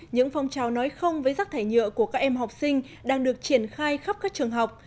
những phong trào nói không với rắc thải nhựa của các em học sinh đang được triển khai khắp các trường học